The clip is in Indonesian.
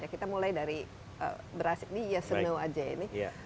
kita mulai dari beras ini yes snow aja ini